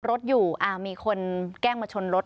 รถอยู่มีคนแกล้งมาชนรถ